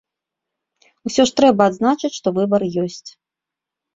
Усё ж трэба адзначыць, што выбар ёсць.